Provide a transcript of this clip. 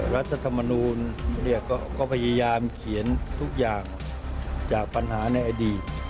รัฐธรรมนูลก็พยายามเขียนทุกอย่างจากปัญหาในอดีต